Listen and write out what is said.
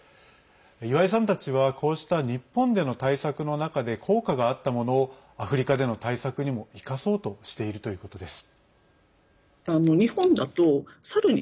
岩井さんたちはこうした日本での対策の中で効果があったものをアフリカでの対策にも生かそうとしているということです。